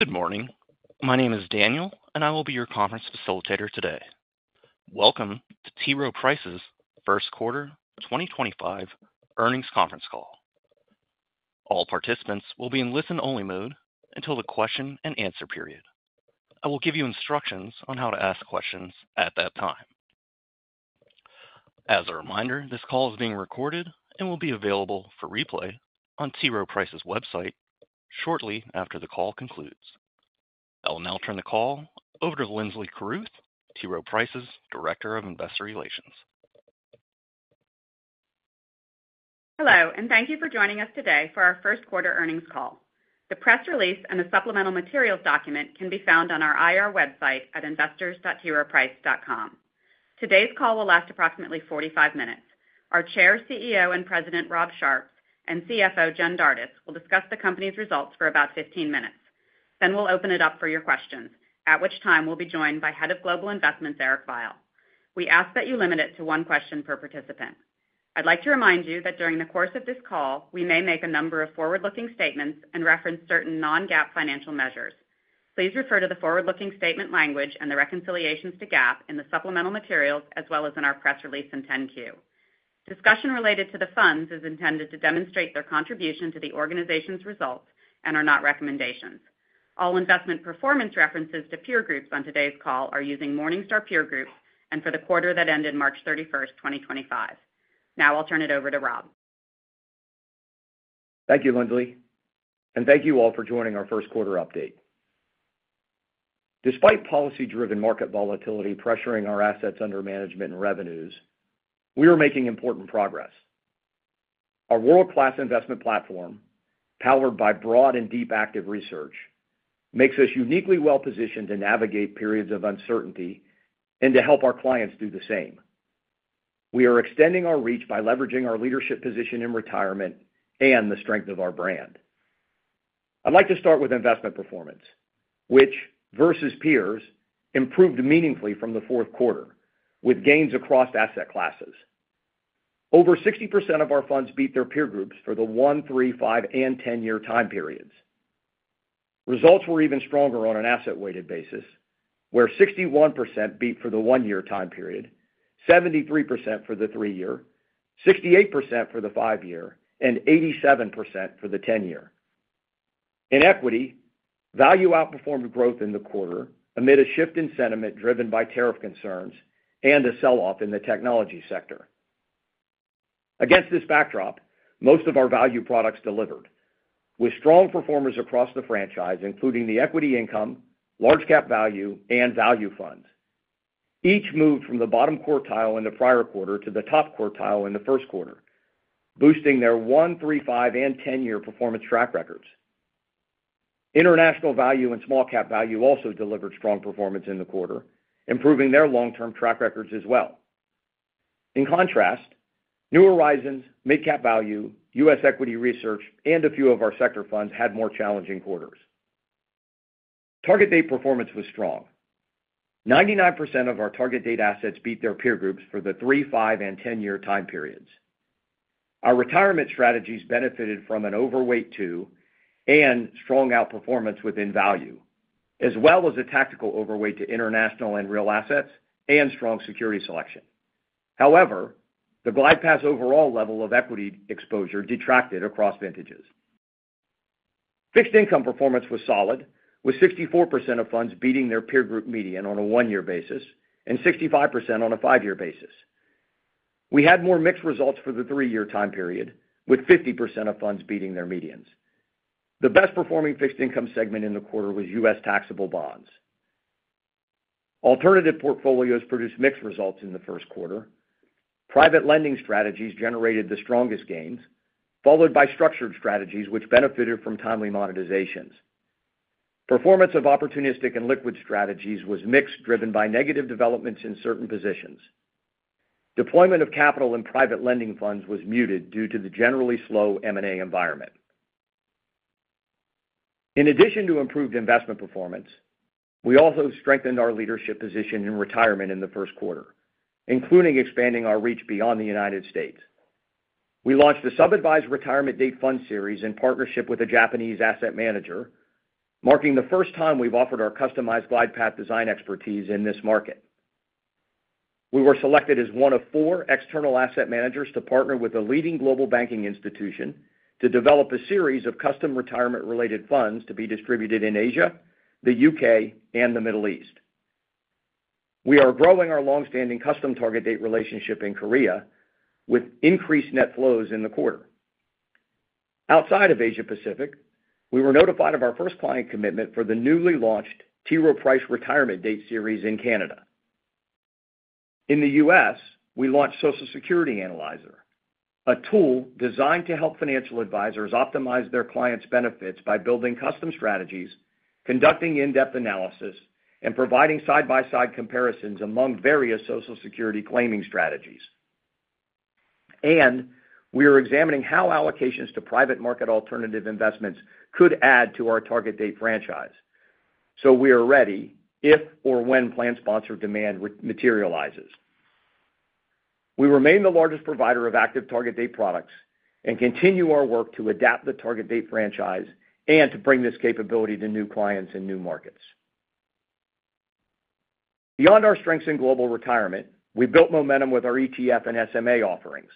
Good morning. My name is Daniel, and I will be your conference facilitator today. Welcome to T. Rowe Price's first quarter 2025 earnings conference call. All participants will be in listen-only mode until the question and answer period. I will give you instructions on how to ask questions at that time. As a reminder, this call is being recorded and will be available for replay on T. Rowe Price's website shortly after the call concludes. I will now turn the call over to Linsley Carruth, T. Rowe Price's Director of Investor Relations. Hello, and thank you for joining us today for our first quarter earnings call. The press release and the supplemental materials document can be found on our IR website at investors.troweprice.com. Today's call will last approximately 45 minutes. Our Chair, CEO, and President, Rob Sharps, and CFO, Jen Dardis, will discuss the company's results for about 15 minutes. Then we will open it up for your questions, at which time we will be joined by Head of Global Investments, Eric Veiel. We ask that you limit it to one question per participant. I'd like to remind you that during the course of this call, we may make a number of forward-looking statements and reference certain non-GAAP financial measures. Please refer to the forward-looking statement language and the reconciliations to GAAP in the supplemental materials as well as in our press release and 10-Q. Discussion related to the funds is intended to demonstrate their contribution to the organization's results and are not recommendations. All investment performance references to peer groups on today's call are using Morningstar Peer Group and for the quarter that ended March 31, 2025. Now I'll turn it over to Rob. Thank you, Linsley, and thank you all for joining our first quarter update. Despite policy-driven market volatility pressuring our assets under management and revenues, we are making important progress. Our world-class investment platform, powered by broad and deep active research, makes us uniquely well-positioned to navigate periods of uncertainty and to help our clients do the same. We are extending our reach by leveraging our leadership position in retirement and the strength of our brand. I'd like to start with investment performance, which, versus peers, improved meaningfully from the fourth quarter, with gains across asset classes. Over 60% of our funds beat their peer groups for the one, three, five, and ten-year time periods. Results were even stronger on an asset-weighted basis, where 61% beat for the one-year time period, 73% for the three-year, 68% for the five-year, and 87% for the ten-year. In equity, value outperformed growth in the quarter amid a shift in sentiment driven by tariff concerns and a sell-off in the technology sector. Against this backdrop, most of our value products delivered, with strong performers across the franchise, including the Equity Income, Large-Cap Value, and Value funds. Each moved from the bottom quartile in the prior quarter to the top quartile in the first quarter, boosting their one, three, five, and ten-year performance track records. International Value and Small-Cap Value also delivered strong performance in the quarter, improving their long-term track records as well. In contrast, New Horizons, Mid-Cap Value, U.S. Equity Research, and a few of our sector funds had more challenging quarters. Target date performance was strong. 99% of our target date assets beat their peer groups for the three, five, and ten-year time periods. Our retirement strategies benefited from an overweight to and strong outperformance within value, as well as a tactical overweight to international and real assets and strong security selection. However, the glide path overall level of equity exposure detracted across vintages. Fixed income performance was solid, with 64% of funds beating their peer group median on a one-year basis and 65% on a five-year basis. We had more mixed results for the three-year time period, with 50% of funds beating their medians. The best-performing fixed income segment in the quarter was U.S. taxable bonds. Alternative portfolios produced mixed results in the first quarter. Private lending strategies generated the strongest gains, followed by structured strategies which benefited from timely monetizations. Performance of opportunistic and liquid strategies was mixed, driven by negative developments in certain positions. Deployment of capital and private lending funds was muted due to the generally slow M&A environment. In addition to improved investment performance, we also strengthened our leadership position in retirement in the first quarter, including expanding our reach beyond the United States. We launched a sub-advised retirement date fund series in partnership with a Japanese asset manager, marking the first time we've offered our customized glide path design expertise in this market. We were selected as one of four external asset managers to partner with a leading global banking institution to develop a series of custom retirement-related funds to be distributed in Asia, the U.K., and the Middle East. We are growing our long-standing custom target date relationship in Korea with increased net flows in the quarter. Outside of Asia-Pacific, we were notified of our first client commitment for the newly launched T. Rowe Price retirement date series in Canada. In the U.S., we launched Social Security Analyzer, a tool designed to help financial advisors optimize their clients' benefits by building custom strategies, conducting in-depth analysis, and providing side-by-side comparisons among various Social Security claiming strategies. We are examining how allocations to private market alternative investments could add to our target date franchise, so we are ready if or when planned sponsor demand materializes. We remain the largest provider of active target date products and continue our work to adapt the target date franchise and to bring this capability to new clients in new markets. Beyond our strengths in global retirement, we built momentum with our ETF and SMA offerings.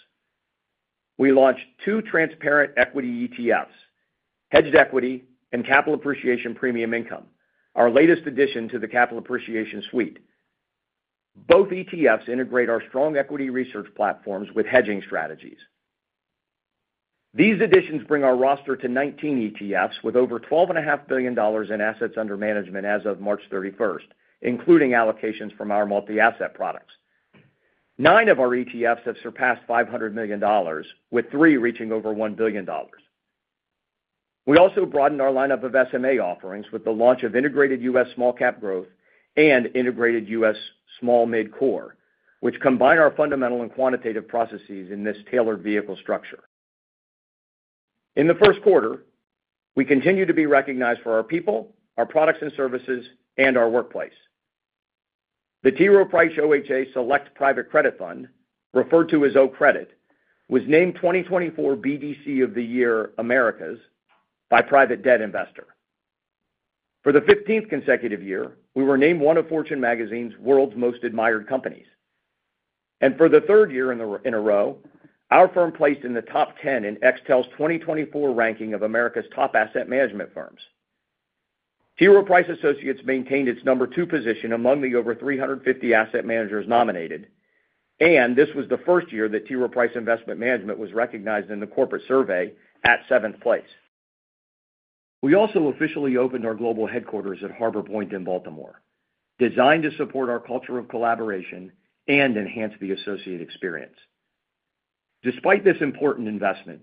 We launched two transparent equity ETFs, Hedged Equity and Capital Appreciation Premium Income, our latest addition to the Capital Appreciation suite. Both ETFs integrate our strong equity research platforms with hedging strategies. These additions bring our roster to 19 ETFs with over $12.5 billion in assets under management as of March 31, including allocations from our multi-asset products. Nine of our ETFs have surpassed $500 million, with three reaching over $1 billion. We also broadened our lineup of SMA offerings with the launch of Integrated U.S. Small-Cap Growth and Integrated U.S. Small-Mid Core, which combine our fundamental and quantitative processes in this tailored vehicle structure. In the first quarter, we continue to be recognized for our people, our products and services, and our workplace. The T. Rowe Price OHA Select Private Credit Fund, referred to as OCredit, was named 2024 BDC of the Year Americas by Private Debt Investor. For the 15th consecutive year, we were named one of Fortune Magazine's World's Most Admired Companies. For the third year in a row, our firm placed in the top 10 in Extel's 2024 ranking of America's top asset management firms. T. Rowe Price Associates maintained its number two position among the over 350 asset managers nominated, and this was the first year that T. Rowe Price Investment Management was recognized in the corporate survey at seventh place. We also officially opened our global headquarters at Harbor Point in Baltimore, designed to support our culture of collaboration and enhance the associate experience. Despite this important investment,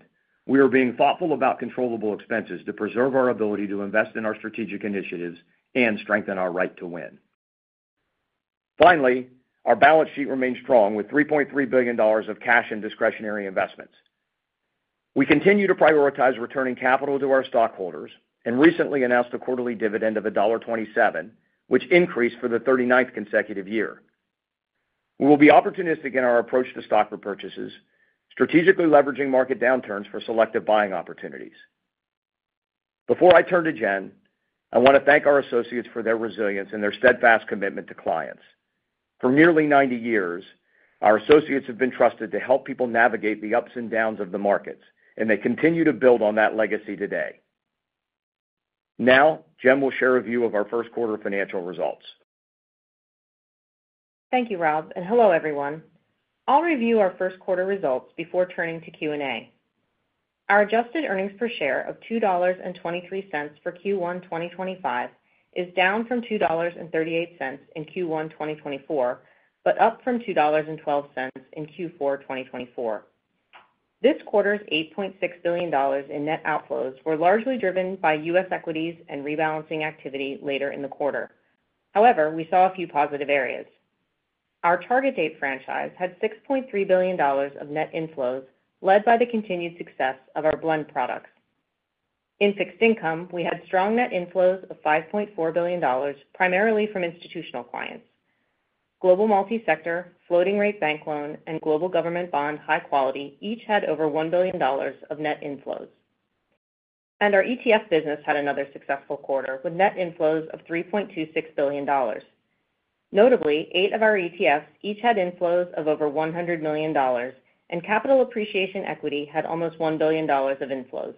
we are being thoughtful about controllable expenses to preserve our ability to invest in our strategic initiatives and strengthen our right to win. Finally, our balance sheet remains strong with $3.3 billion of cash and discretionary investments. We continue to prioritize returning capital to our stockholders and recently announced a quarterly dividend of $1.27, which increased for the 39th consecutive year. We will be opportunistic in our approach to stock repurchases, strategically leveraging market downturns for selective buying opportunities. Before I turn to Jen, I want to thank our associates for their resilience and their steadfast commitment to clients. For nearly 90 years, our associates have been trusted to help people navigate the ups and downs of the markets, and they continue to build on that legacy today. Now, Jen will share a view of our first quarter financial results. Thank you, Rob, and hello, everyone. I'll review our first quarter results before turning to Q&A. Our adjusted earnings per share of $2.23 for Q1 2025 is down from $2.38 in Q1 2024 but up from $2.12 in Q4 2024. This quarter's $8.6 billion in net outflows were largely driven by U.S. equities and rebalancing activity later in the quarter. However, we saw a few positive areas. Our target date franchise had $6.3 billion of net inflows led by the continued success of our blend products. In fixed income, we had strong net inflows of $5.4 billion, primarily from institutional clients. Global Multi-Sector, Floating Rate Bank Loan, and Global Government Bond High Quality each had over $1 billion of net inflows. Our ETF business had another successful quarter with net inflows of $3.26 billion. Notably, eight of our ETFs each had inflows of over $100 million, and Capital Appreciation Equity had almost $1 billion of inflows.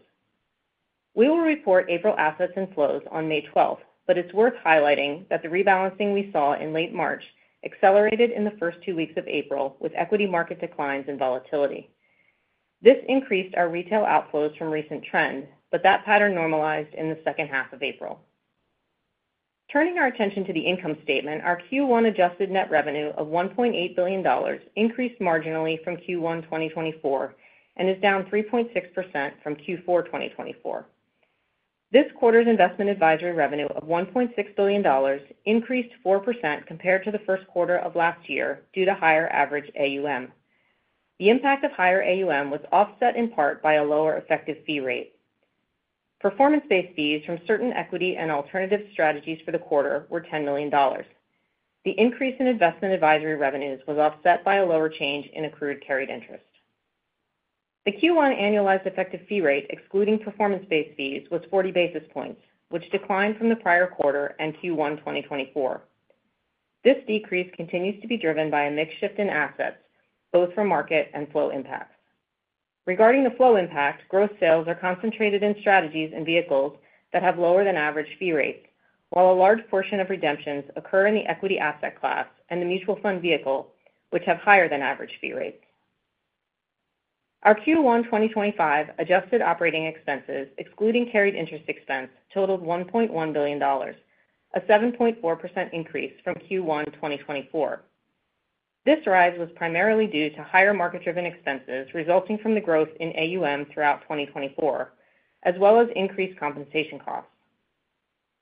We will report April assets and flows on May 12, but it is worth highlighting that the rebalancing we saw in late March accelerated in the first two weeks of April with equity market declines and volatility. This increased our retail outflows from recent trend, but that pattern normalized in the second half of April. Turning our attention to the income statement, our Q1 adjusted net revenue of $1.8 billion increased marginally from Q1 2024 and is down 3.6% from Q4 2024. This quarter's investment advisory revenue of $1.6 billion increased 4% compared to the first quarter of last year due to higher average AUM. The impact of higher AUM was offset in part by a lower effective fee rate. Performance-based fees from certain equity and alternative strategies for the quarter were $10 million. The increase in investment advisory revenues was offset by a lower change in accrued carried interest. The Q1 annualized effective fee rate, excluding performance-based fees, was 40 basis points, which declined from the prior quarter and Q1 2024. This decrease continues to be driven by a mix shift in assets, both for market and flow impacts. Regarding the flow impact, gross sales are concentrated in strategies and vehicles that have lower-than-average fee rates, while a large portion of redemptions occur in the equity asset class and the mutual fund vehicle, which have higher-than-average fee rates. Our Q1 2025 adjusted operating expenses, excluding carried interest expense, totaled $1.1 billion, a 7.4% increase from Q1 2024. This rise was primarily due to higher market-driven expenses resulting from the growth in AUM throughout 2024, as well as increased compensation costs.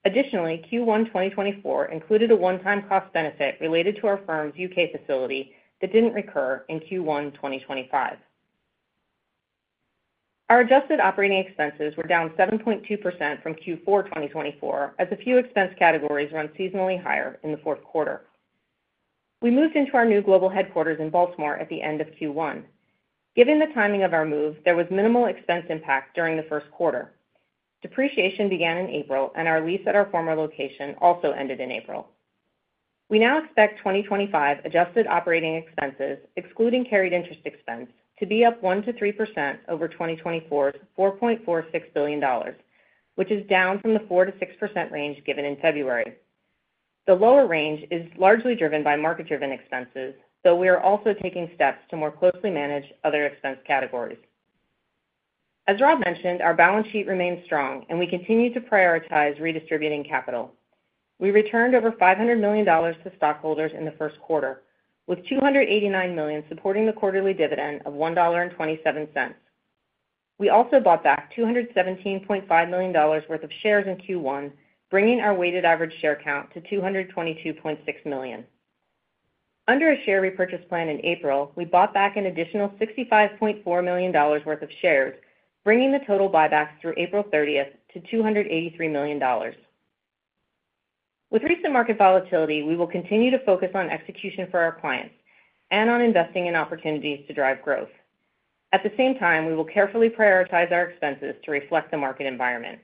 Additionally, Q1 2024 included a one-time cost benefit related to our firm's U.K. facility that did not recur in Q1 2025. Our adjusted operating expenses were down 7.2% from Q4 2024, as a few expense categories run seasonally higher in the fourth quarter. We moved into our new global headquarters in Baltimore at the end of Q1. Given the timing of our move, there was minimal expense impact during the first quarter. Depreciation began in April, and our lease at our former location also ended in April. We now expect 2025 adjusted operating expenses, excluding carried interest expense, to be up 1%-3% over 2024's $4.46 billion, which is down from the 4%-6% range given in February. The lower range is largely driven by market-driven expenses, though we are also taking steps to more closely manage other expense categories. As Rob mentioned, our balance sheet remains strong, and we continue to prioritize redistributing capital. We returned over $500 million to stockholders in the first quarter, with $289 million supporting the quarterly dividend of $1.27. We also bought back $217.5 million worth of shares in Q1, bringing our weighted average share count to 222.6 million. Under a share repurchase plan in April, we bought back an additional $65.4 million worth of shares, bringing the total buybacks through April 30th to $283 million. With recent market volatility, we will continue to focus on execution for our clients and on investing in opportunities to drive growth. At the same time, we will carefully prioritize our expenses to reflect the market environment.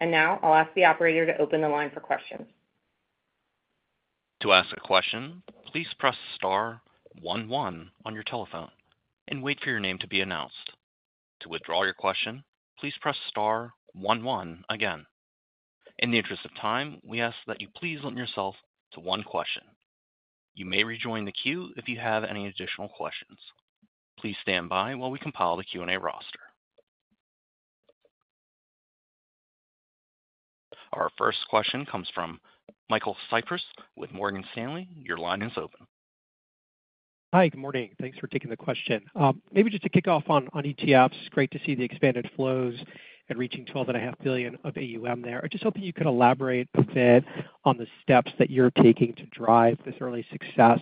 I'll ask the operator to open the line for questions. To ask a question, please press star one one on your telephone and wait for your name to be announced. To withdraw your question, please press star one one again. In the interest of time, we ask that you please limit yourself to one question. You may rejoin the queue if you have any additional questions. Please stand by while we compile the Q&A roster. Our first question comes from Michael Cyprys with Morgan Stanley. Your line is open. Hi, good morning. Thanks for taking the question. Maybe just to kick off on ETFs, great to see the expanded flows and reaching $12.5 billion of AUM there. I'm just hoping you could elaborate a bit on the steps that you're taking to drive this early success,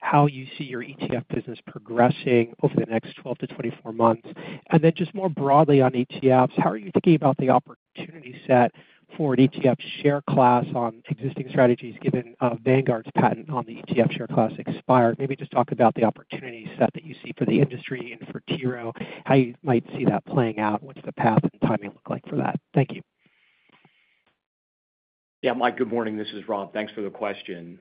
how you see your ETF business progressing over the next 12 to 24 months, and then just more broadly on ETFs, how are you thinking about the opportunity set for an ETF share class on existing strategies given Vanguard's patent on the ETF share class expired? Maybe just talk about the opportunity set that you see for the industry and for T. Rowe, how you might see that playing out, what's the path and timing look like for that? Thank you. Yeah, Mike, good morning. This is Rob. Thanks for the question.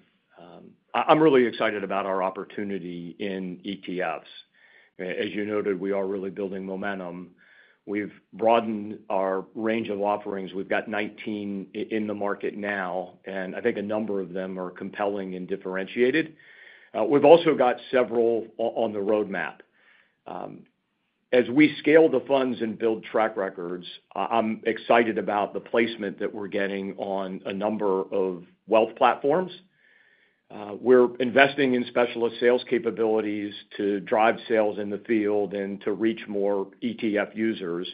I'm really excited about our opportunity in ETFs. As you noted, we are really building momentum. We've broadened our range of offerings. We've got 19 in the market now, and I think a number of them are compelling and differentiated. We've also got several on the roadmap. As we scale the funds and build track records, I'm excited about the placement that we're getting on a number of wealth platforms. We're investing in specialist sales capabilities to drive sales in the field and to reach more ETF users.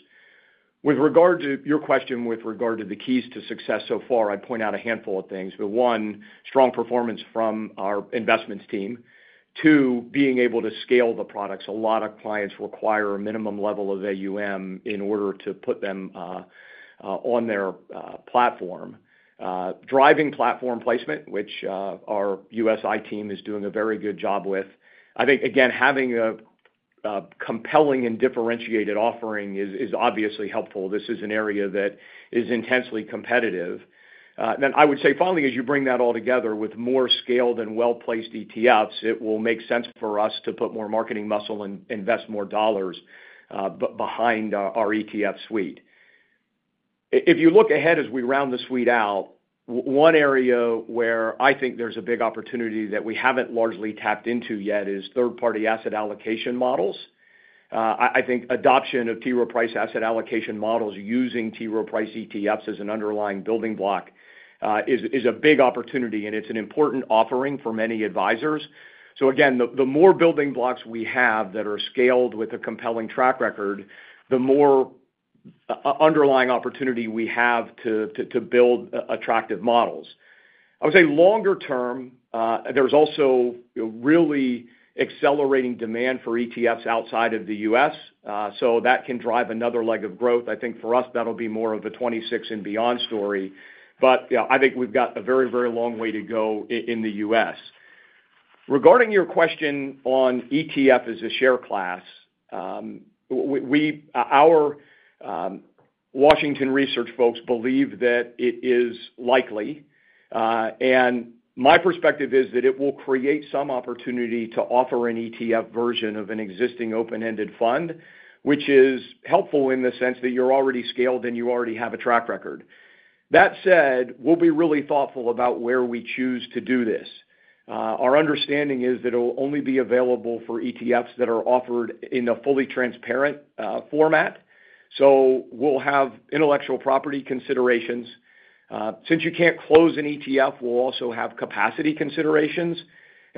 With regard to your question with regard to the keys to success so far, I'd point out a handful of things. One, strong performance from our investments team. Two, being able to scale the products. A lot of clients require a minimum level of AUM in order to put them on their platform. Driving platform placement, which our USI team is doing a very good job with. I think, again, having a compelling and differentiated offering is obviously helpful. This is an area that is intensely competitive. I would say, finally, as you bring that all together with more scaled and well-placed ETFs, it will make sense for us to put more marketing muscle and invest more dollars behind our ETF suite. If you look ahead as we round the suite out, one area where I think there's a big opportunity that we haven't largely tapped into yet is third-party asset allocation models. I think adoption of T. Rowe Price asset allocation models using T. Rowe Price ETFs as an underlying building block is a big opportunity, and it's an important offering for many advisors. Again, the more building blocks we have that are scaled with a compelling track record, the more underlying opportunity we have to build attractive models. I would say longer term, there's also really accelerating demand for ETFs outside of the U.S., so that can drive another leg of growth. I think for us, that'll be more of a 2026 and beyond story. I think we've got a very, very long way to go in the U.S. Regarding your question on ETF as a share class, our Washington research folks believe that it is likely. My perspective is that it will create some opportunity to offer an ETF version of an existing open-ended fund, which is helpful in the sense that you're already scaled and you already have a track record. That said, we'll be really thoughtful about where we choose to do this. Our understanding is that it'll only be available for ETFs that are offered in a fully transparent format. We'll have intellectual property considerations. Since you can't close an ETF, we'll also have capacity considerations.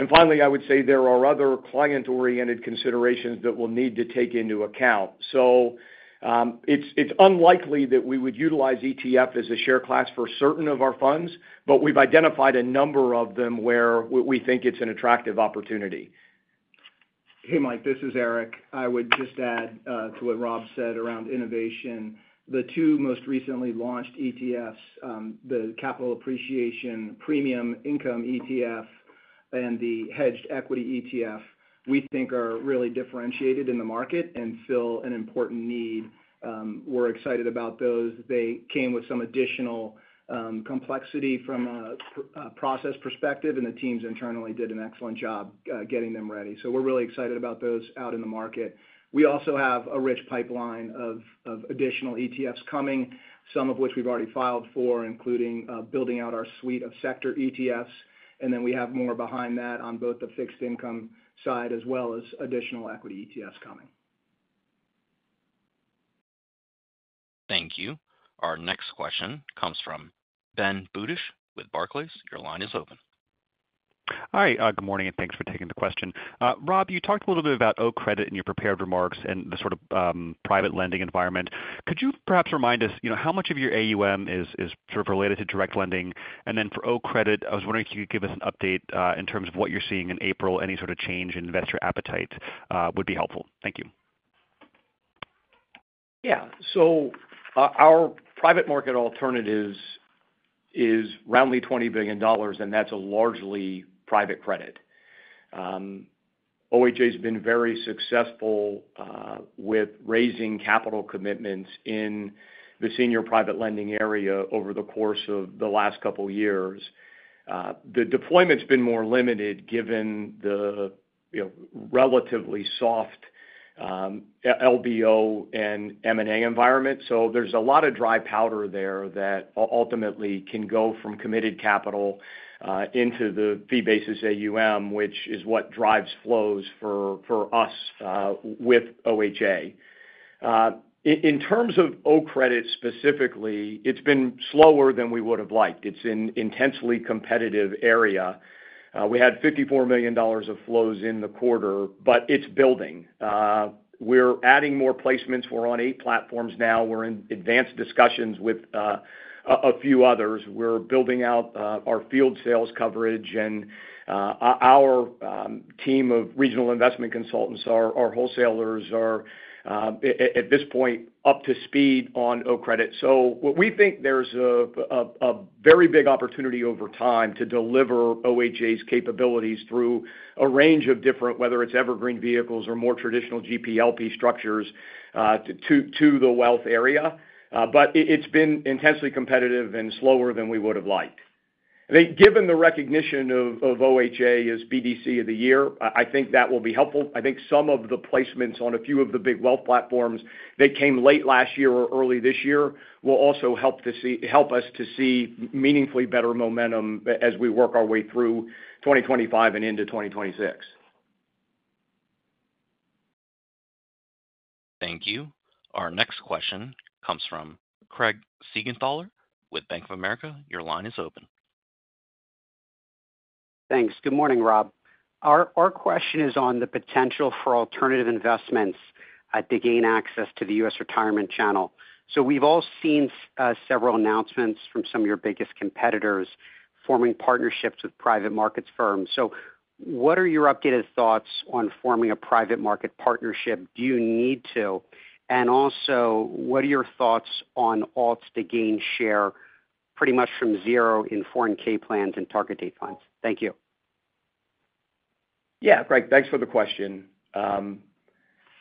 Finally, I would say there are other client-oriented considerations that we'll need to take into account. It's unlikely that we would utilize ETF as a share class for certain of our funds, but we've identified a number of them where we think it's an attractive opportunity. Hey, Mike, this is Eric. I would just add to what Rob said around innovation. The two most recently launched ETFs, the Capital Appreciation Premium Income ETF and the Hedged Equity ETF, we think are really differentiated in the market and fill an important need. We're excited about those. They came with some additional complexity from a process perspective, and the teams internally did an excellent job getting them ready. We're really excited about those out in the market. We also have a rich pipeline of additional ETFs coming, some of which we've already filed for, including building out our suite of sector ETFs. We have more behind that on both the fixed income side as well as additional equity ETFs coming. Thank you. Our next question comes from Ben Budish with Barclays. Your line is open. Hi, good morning, and thanks for taking the question. Rob, you talked a little bit about OCredit in your prepared remarks and the sort of private lending environment. Could you perhaps remind us how much of your AUM is sort of related to direct lending? And then for OCredit, I was wondering if you could give us an update in terms of what you're seeing in April, any sort of change in investor appetite would be helpful. Thank you. Yeah. Our private market alternatives is roundly $20 billion, and that's largely private credit. OHA has been very successful with raising capital commitments in the senior private lending area over the course of the last couple of years. The deployment's been more limited given the relatively soft LBO and M&A environment. There is a lot of dry powder there that ultimately can go from committed capital into the fee-basis AUM, which is what drives flows for us with OHA. In terms of OCredit specifically, it's been slower than we would have liked. It's an intensely competitive area. We had $54 million of flows in the quarter, but it's building. We're adding more placements. We're on eight platforms now. We're in advanced discussions with a few others. We're building out our field sales coverage, and our team of regional investment consultants, our wholesalers are at this point up to speed on OCredit. We think there's a very big opportunity over time to deliver OHA's capabilities through a range of different, whether it's evergreen vehicles or more traditional GP/LP structures to the wealth area. It has been intensely competitive and slower than we would have liked. I think given the recognition of OHA as BDC of the year, I think that will be helpful. I think some of the placements on a few of the big wealth platforms that came late last year or early this year will also help us to see meaningfully better momentum as we work our way through 2025 and into 2026. Thank you. Our next question comes from Craig Siegenthaler with Bank of America. Your line is open. Thanks. Good morning, Rob. Our question is on the potential for alternative investments to gain access to the U.S. retirement channel. We have all seen several announcements from some of your biggest competitors forming partnerships with private markets firms. What are your updated thoughts on forming a private market partnership? Do you need to? Also, what are your thoughts on alts to gain share pretty much from zero in 401(k) plans and target date funds? Thank you. Yeah, Craig, thanks for the question.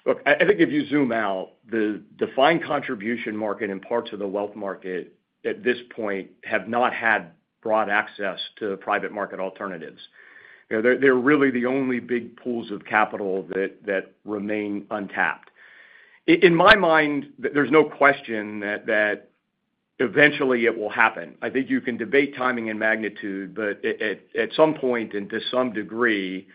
Look, I think if you zoom out, the defined contribution market and parts of the wealth market at this point have not had broad access to private market alternatives. They're really the only big pools of capital that remain untapped. In my mind, there's no question that eventually it will happen. I think you can debate timing and magnitude, but at some point and to some degree,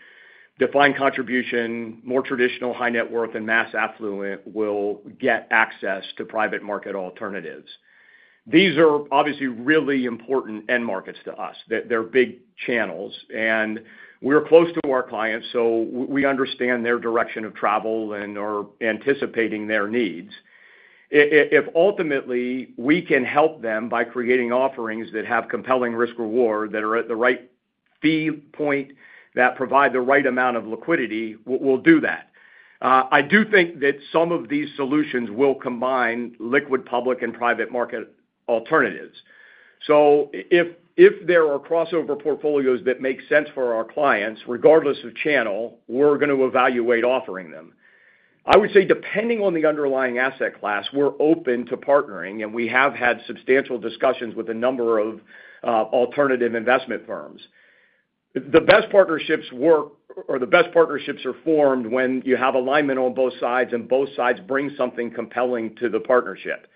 defined contribution, more traditional high net worth, and mass affluent will get access to private market alternatives. These are obviously really important end markets to us. They're big channels, and we're close to our clients, so we understand their direction of travel and are anticipating their needs. If ultimately we can help them by creating offerings that have compelling risk-reward, that are at the right fee point, that provide the right amount of liquidity, we'll do that. I do think that some of these solutions will combine liquid public and private market alternatives. If there are crossover portfolios that make sense for our clients, regardless of channel, we're going to evaluate offering them. I would say depending on the underlying asset class, we're open to partnering, and we have had substantial discussions with a number of alternative investment firms. The best partnerships work, or the best partnerships are formed when you have alignment on both sides, and both sides bring something compelling to the partnership.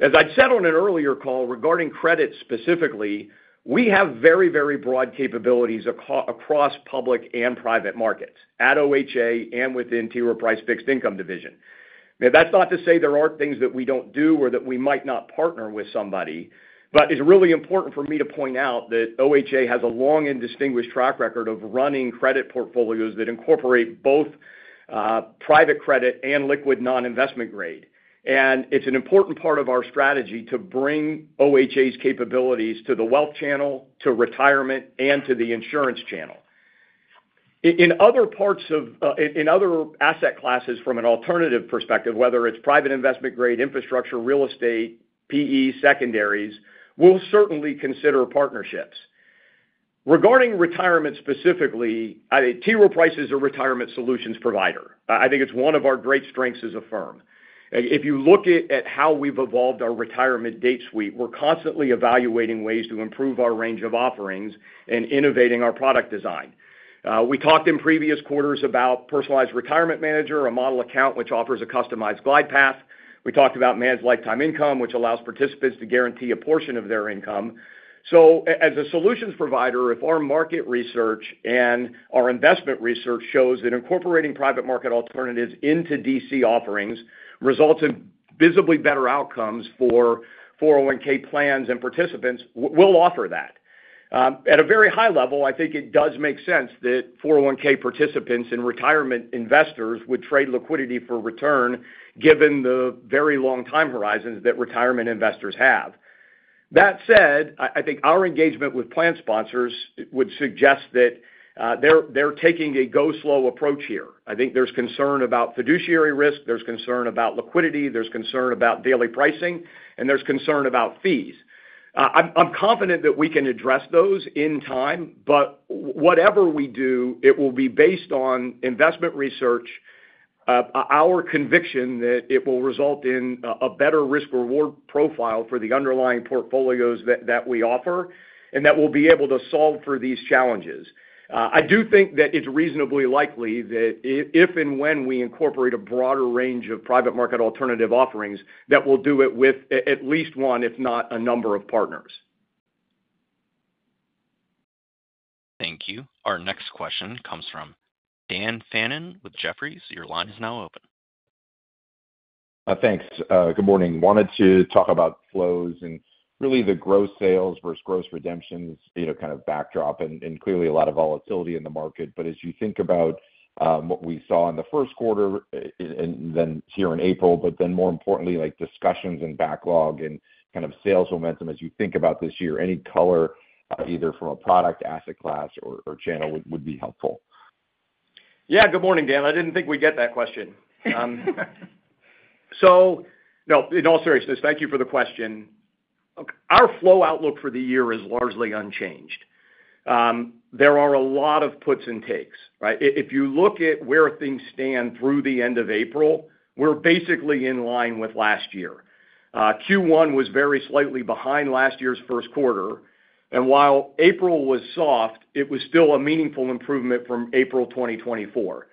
As I'd said on an earlier call, regarding credit specifically, we have very, very broad capabilities across public and private markets at OHA and within T. Rowe Price Fixed Income Division. That's not to say there aren't things that we don't do or that we might not partner with somebody, but it's really important for me to point out that OHA has a long and distinguished track record of running credit portfolios that incorporate both private credit and liquid non-investment grade. It's an important part of our strategy to bring OHA's capabilities to the wealth channel, to retirement, and to the insurance channel. In other parts of, in other asset classes from an alternative perspective, whether it's private investment grade, infrastructure, real estate, PE, secondaries, we'll certainly consider partnerships. Regarding retirement specifically, T. Rowe Price is a retirement solutions provider. I think it's one of our great strengths as a firm. If you look at how we've evolved our retirement date suite, we're constantly evaluating ways to improve our range of offerings and innovating our product design. We talked in previous quarters about Personalized Retirement Manager, a model account which offers a customized glide path. We talked about Managed Lifetime Income, which allows participants to guarantee a portion of their income. As a solutions provider, if our market research and our investment research shows that incorporating private market alternatives into DC offerings results in visibly better outcomes for 401(k) plans and participants, we'll offer that. At a very high level, I think it does make sense that 401(k) participants and retirement investors would trade liquidity for return given the very long time horizons that retirement investors have. That said, I think our engagement with plan sponsors would suggest that they're taking a go slow approach here. I think there's concern about fiduciary risk, there's concern about liquidity, there's concern about daily pricing, and there's concern about fees. I'm confident that we can address those in time, but whatever we do, it will be based on investment research, our conviction that it will result in a better risk-reward profile for the underlying portfolios that we offer, and that we'll be able to solve for these challenges. I do think that it's reasonably likely that if and when we incorporate a broader range of private market alternative offerings, that we'll do it with at least one, if not a number of partners. Thank you. Our next question comes from Dan Fannon with Jefferies. Your line is now open. Thanks. Good morning. Wanted to talk about flows and really the gross sales versus gross redemptions kind of backdrop and clearly a lot of volatility in the market. As you think about what we saw in the first quarter and then here in April, but then more importantly, discussions and backlog and kind of sales momentum as you think about this year, any color either from a product asset class or channel would be helpful. Yeah. Good morning, Dan. I did not think we'd get that question. In all seriousness, thank you for the question. Our flow outlook for the year is largely unchanged. There are a lot of puts and takes. If you look at where things stand through the end of April, we are basically in line with last year. Q1 was very slightly behind last year's first quarter. While April was soft, it was still a meaningful improvement from April 2024.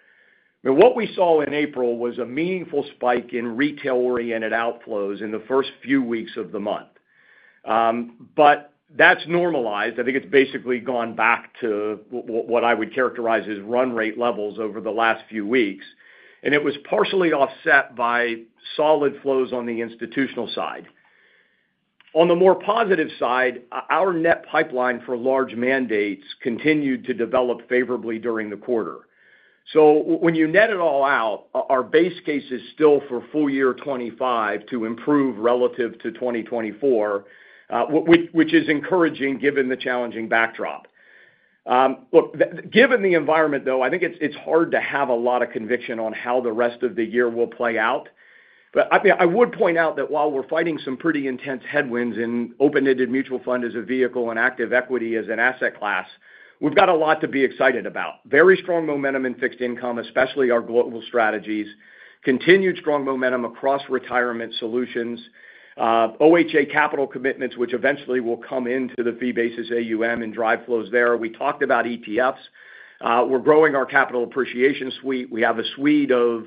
What we saw in April was a meaningful spike in retail-oriented outflows in the first few weeks of the month. That has normalized. I think it has basically gone back to what I would characterize as run rate levels over the last few weeks. It was partially offset by solid flows on the institutional side. On the more positive side, our net pipeline for large mandates continued to develop favorably during the quarter. When you net it all out, our base case is still for full year 2025 to improve relative to 2024, which is encouraging given the challenging backdrop. Look, given the environment, though, I think it's hard to have a lot of conviction on how the rest of the year will play out. I would point out that while we're fighting some pretty intense headwinds in open-ended mutual fund as a vehicle and active equity as an asset class, we've got a lot to be excited about. Very strong momentum in fixed income, especially our global strategies, continued strong momentum across retirement solutions, OHA capital commitments, which eventually will come into the fee-basis AUM and drive flows there. We talked about ETFs. We're growing our capital appreciation suite. We have a suite of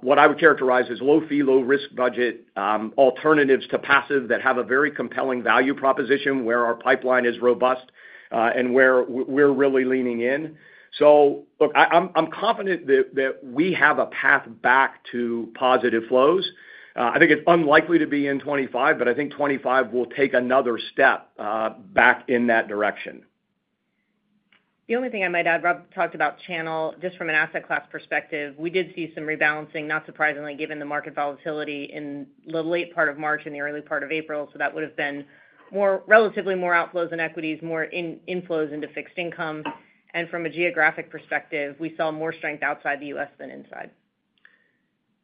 what I would characterize as low-fee, low-risk budget alternatives to passive that have a very compelling value proposition where our pipeline is robust and where we're really leaning in. Look, I'm confident that we have a path back to positive flows. I think it's unlikely to be in 2025, but I think 2025 will take another step back in that direction. The only thing I might add, Rob talked about channel. Just from an asset class perspective, we did see some rebalancing, not surprisingly, given the market volatility in the late part of March and the early part of April. That would have been relatively more outflows in equities, more inflows into fixed income. From a geographic perspective, we saw more strength outside the U.S. than inside.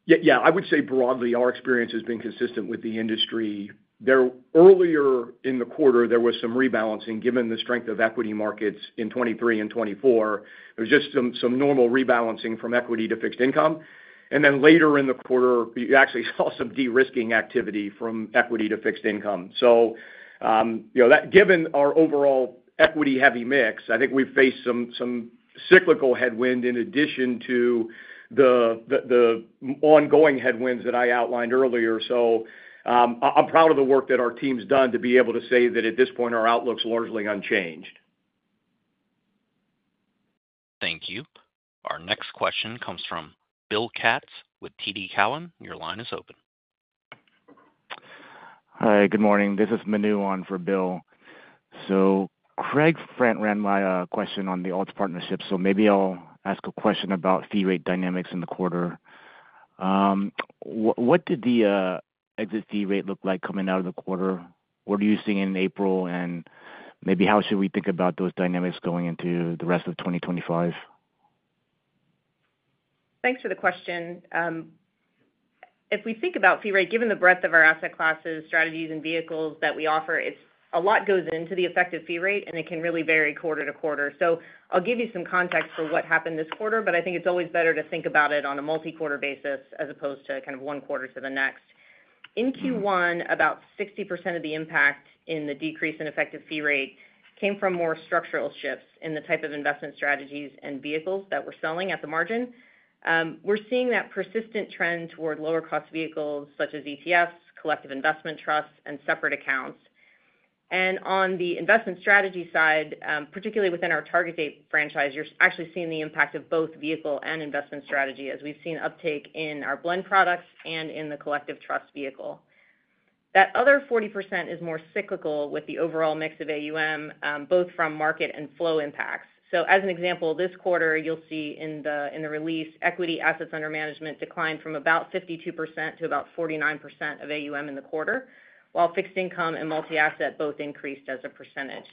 Yeah. I would say broadly, our experience has been consistent with the industry. Earlier in the quarter, there was some rebalancing given the strength of equity markets in 2023 and 2024. There was just some normal rebalancing from equity to fixed income. Later in the quarter, you actually saw some de-risking activity from equity to fixed income. Given our overall equity-heavy mix, I think we've faced some cyclical headwind in addition to the ongoing headwinds that I outlined earlier. I'm proud of the work that our team's done to be able to say that at this point, our outlook's largely unchanged. Thank you. Our next question comes from Bill Katz with TD Cowen. Your line is open. Hi. Good morning. This is Manu on for Bill. Craig front ran my question on the alts partnership, so maybe I'll ask a question about fee rate dynamics in the quarter. What did the exit fee rate look like coming out of the quarter? What are you seeing in April? Maybe how should we think about those dynamics going into the rest of 2025? Thanks for the question. If we think about fee rate, given the breadth of our asset classes, strategies, and vehicles that we offer, a lot goes into the effective fee rate, and it can really vary quarter to quarter. I'll give you some context for what happened this quarter, but I think it's always better to think about it on a multi-quarter basis as opposed to kind of one quarter to the next. In Q1, about 60% of the impact in the decrease in effective fee rate came from more structural shifts in the type of investment strategies and vehicles that we're selling at the margin. We're seeing that persistent trend toward lower-cost vehicles such as ETFs, collective investment trusts, and separate accounts. On the investment strategy side, particularly within our target date franchise, you're actually seeing the impact of both vehicle and investment strategy as we've seen uptake in our blend products and in the collective trust vehicle. That other 40% is more cyclical with the overall mix of AUM, both from market and flow impacts. As an example, this quarter, you'll see in the release, equity assets under management declined from about 52% to about 49% of AUM in the quarter, while fixed income and multi-asset both increased as a percentage.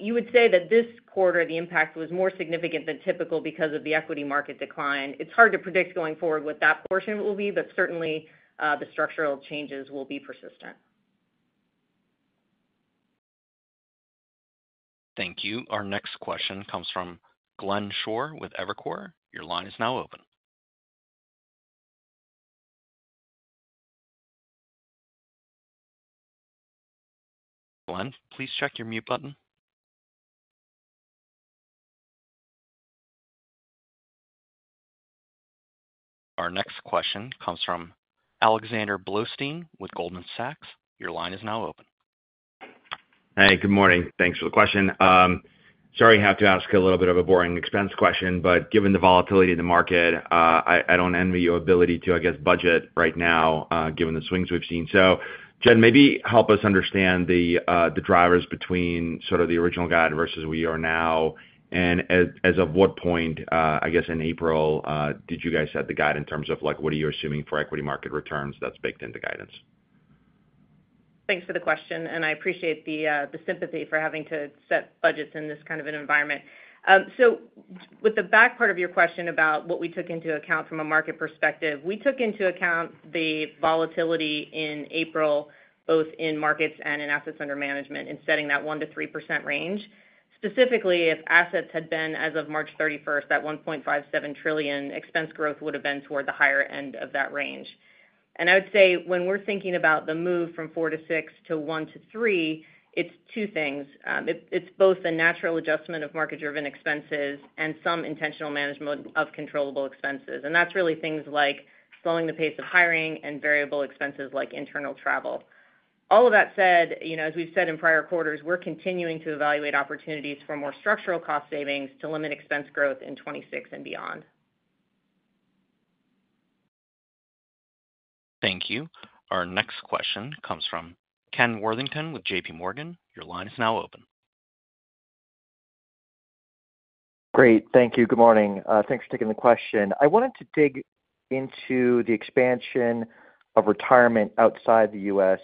You would say that this quarter, the impact was more significant than typical because of the equity market decline. It's hard to predict going forward what that portion will be, but certainly the structural changes will be persistent. Thank you. Our next question comes from Glenn Schorr with Evercore. Your line is now open. Glenn, please check your mute button. Our next question comes from Alexander Blostein with Goldman Sachs. Your line is now open. Hi. Good morning. Thanks for the question. Sorry to have to ask a little bit of a boring expense question, but given the volatility of the market, I do not envy your ability to, I guess, budget right now given the swings we have seen. Jen, maybe help us understand the drivers between sort of the original guide versus where we are now. As of what point, I guess, in April did you guys set the guide in terms of what are you assuming for equity market returns that is baked into guidance? Thanks for the question. I appreciate the sympathy for having to set budgets in this kind of an environment. With the back part of your question about what we took into account from a market perspective, we took into account the volatility in April, both in markets and in assets under management in setting that 1-3% range. Specifically, if assets had been as of March 31, that $1.57 trillion expense growth would have been toward the higher end of that range. I would say when we're thinking about the move from 4-6% to 1-3%, it's two things. It's both the natural adjustment of market-driven expenses and some intentional management of controllable expenses. That's really things like slowing the pace of hiring and variable expenses like internal travel. All of that said, as we've said in prior quarters, we're continuing to evaluate opportunities for more structural cost savings to limit expense growth in 2026 and beyond. Thank you. Our next question comes from Ken Worthington with J.P. Morgan. Your line is now open. Great. Thank you. Good morning. Thanks for taking the question. I wanted to dig into the expansion of retirement outside the U.S.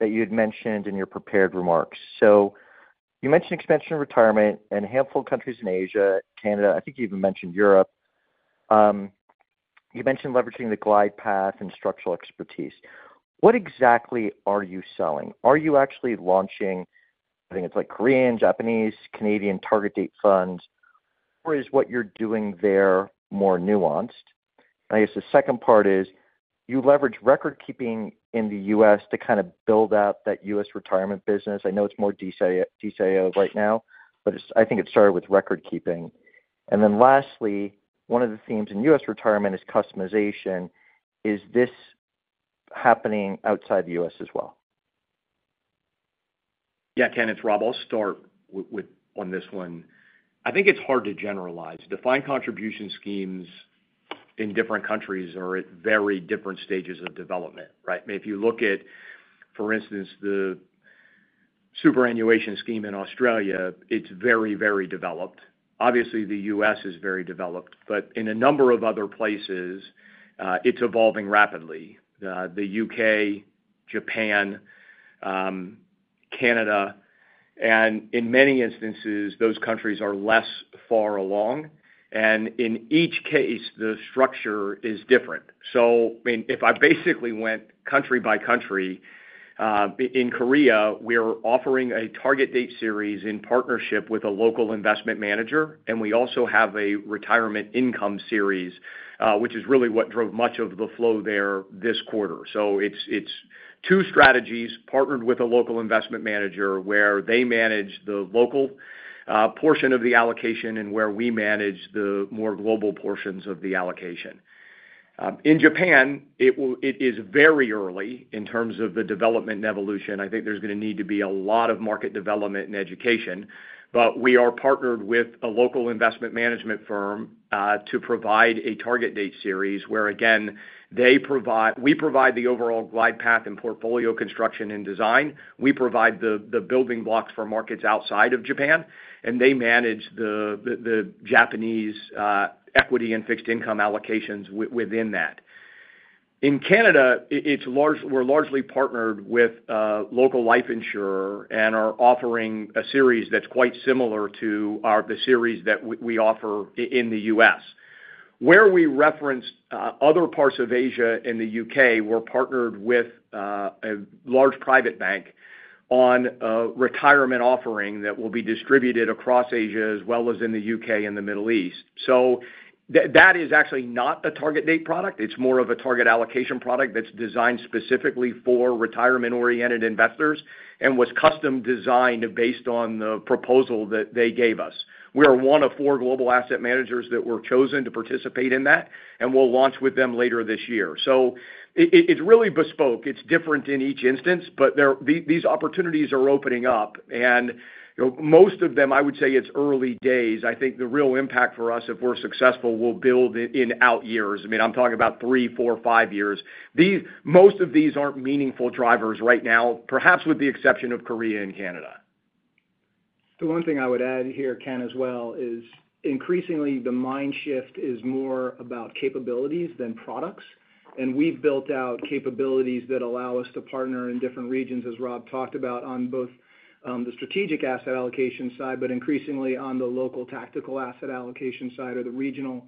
that you had mentioned in your prepared remarks. You mentioned expansion of retirement in a handful of countries in Asia, Canada. I think you even mentioned Europe. You mentioned leveraging the glide path and structural expertise. What exactly are you selling? Are you actually launching, I think it's like Korean, Japanese, Canadian target date funds, or is what you're doing there more nuanced? I guess the second part is you leverage record keeping in the U.S. to kind of build out that U.S. retirement business. I know it's more DCIO right now, but I think it started with record keeping. Lastly, one of the themes in U.S. retirement is customization. Is this happening outside the U.S. as well? Yeah, Ken, it's Rob. I'll start on this one. I think it's hard to generalize. Defined contribution schemes in different countries are at very different stages of development. If you look at, for instance, the superannuation scheme in Australia, it's very, very developed. Obviously, the U.S. is very developed, but in a number of other places, it's evolving rapidly. The U.K., Japan, Canada, and in many instances, those countries are less far along. In each case, the structure is different. If I basically went country by country, in Korea, we're offering a target date series in partnership with a local investment manager, and we also have a retirement income series, which is really what drove much of the flow there this quarter. It is two strategies partnered with a local investment manager where they manage the local portion of the allocation and where we manage the more global portions of the allocation. In Japan, it is very early in terms of the development and evolution. I think there is going to need to be a lot of market development and education, but we are partnered with a local investment management firm to provide a target date series where, again, we provide the overall glide path and portfolio construction and design. We provide the building blocks for markets outside of Japan, and they manage the Japanese equity and fixed income allocations within that. In Canada, we are largely partnered with a local life insurer and are offering a series that is quite similar to the series that we offer in the U.S. Where we referenced other parts of Asia and the U.K., we're partnered with a large private bank on a retirement offering that will be distributed across Asia as well as in the U.K. and the Middle East. That is actually not a target date product. It's more of a target allocation product that's designed specifically for retirement-oriented investors and was custom designed based on the proposal that they gave us. We are one of four global asset managers that were chosen to participate in that, and we'll launch with them later this year. It's really bespoke. It's different in each instance, but these opportunities are opening up. Most of them, I would say it's early days. I think the real impact for us, if we're successful, will build in out years. I mean, I'm talking about three, four, five years. Most of these aren't meaningful drivers right now, perhaps with the exception of Korea and Canada. The one thing I would add here, Ken, as well, is increasingly the mind shift is more about capabilities than products. We have built out capabilities that allow us to partner in different regions, as Rob talked about, on both the strategic asset allocation side, but increasingly on the local tactical asset allocation side or the regional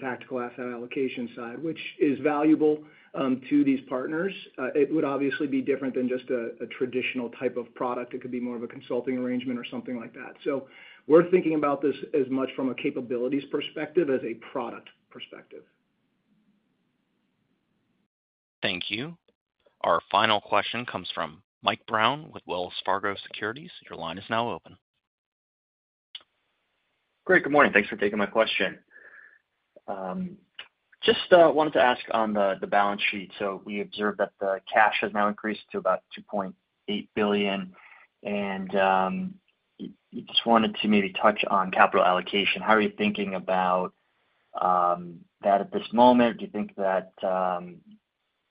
tactical asset allocation side, which is valuable to these partners. It would obviously be different than just a traditional type of product. It could be more of a consulting arrangement or something like that. We are thinking about this as much from a capabilities perspective as a product perspective. Thank you. Our final question comes from Mike Brown with Wells Fargo Securities. Your line is now open. Great. Good morning. Thanks for taking my question. Just wanted to ask on the balance sheet. We observed that the cash has now increased to about $2.8 billion. I just wanted to maybe touch on capital allocation. How are you thinking about that at this moment? Do you think that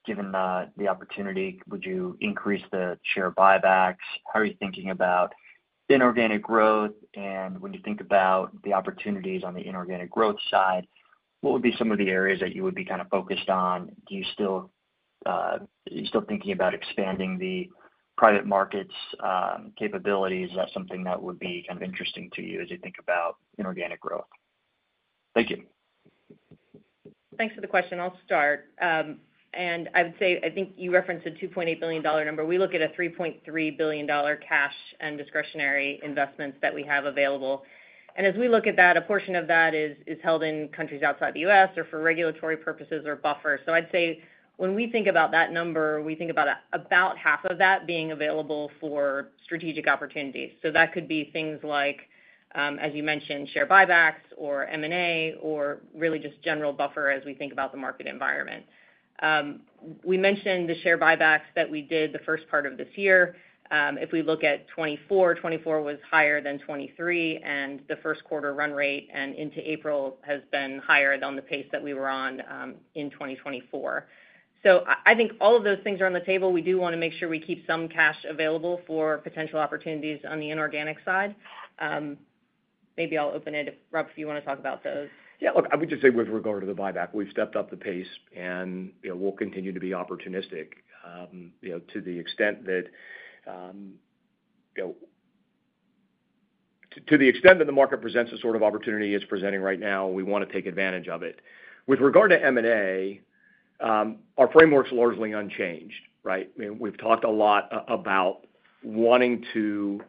given the opportunity, would you increase the share buybacks? How are you thinking about inorganic growth? When you think about the opportunities on the inorganic growth side, what would be some of the areas that you would be kind of focused on? Are you still thinking about expanding the private markets' capabilities? Is that something that would be kind of interesting to you as you think about inorganic growth? Thank you. Thanks for the question. I'll start. I think you referenced a $2.8 billion number. We look at a $3.3 billion cash and discretionary investments that we have available. As we look at that, a portion of that is held in countries outside the U.S. or for regulatory purposes or buffer. I'd say when we think about that number, we think about about half of that being available for strategic opportunities. That could be things like, as you mentioned, share buybacks or M&A or really just general buffer as we think about the market environment. We mentioned the share buybacks that we did the first part of this year. If we look at 2024, 2024 was higher than 2023, and the first quarter run rate and into April has been higher than the pace that we were on in 2024. I think all of those things are on the table. We do want to make sure we keep some cash available for potential opportunities on the inorganic side. Maybe I'll open it up if you want to talk about those. Yeah. Look, I would just say with regard to the buyback, we've stepped up the pace, and we'll continue to be opportunistic to the extent that the market presents a sort of opportunity it's presenting right now, we want to take advantage of it. With regard to M&A, our framework's largely unchanged. We've talked a lot about wanting to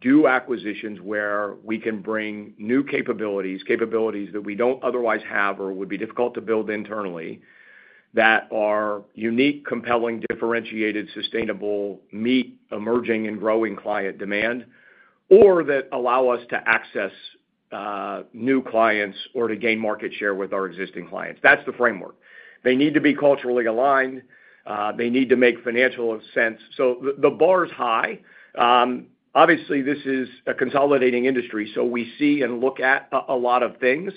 do acquisitions where we can bring new capabilities, capabilities that we don't otherwise have or would be difficult to build internally, that are unique, compelling, differentiated, sustainable, meet emerging and growing client demand, or that allow us to access new clients or to gain market share with our existing clients. That's the framework. They need to be culturally aligned. They need to make financial sense. The bar's high. Obviously, this is a consolidating industry, so we see and look at a lot of things.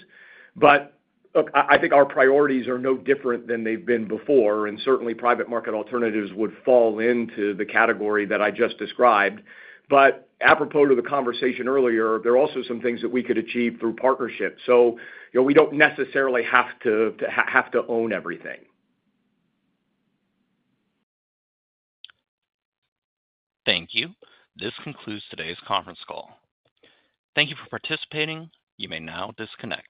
I think our priorities are no different than they've been before. Certainly, private market alternatives would fall into the category that I just described. Apropos to the conversation earlier, there are also some things that we could achieve through partnership. We do not necessarily have to own everything. Thank you. This concludes today's conference call. Thank you for participating. You may now disconnect.